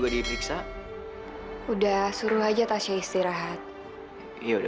kalau lo butuh apa apa kabarin gue